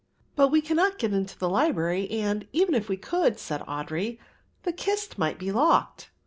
"But we cannot get into the library and, even if we could," said Audry, "the kist might be locked."